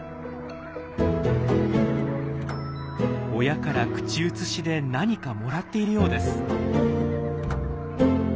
親から口移しで何かもらっているようです。